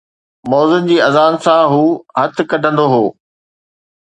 مؤذن جي اذان سان، هو هٿ ڪڍندو آهي